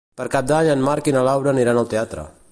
Per Cap d'Any en Marc i na Laura aniran al teatre.